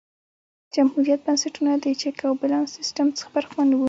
جمهوريت بنسټونه د چک او بیلانس سیستم څخه برخمن وو.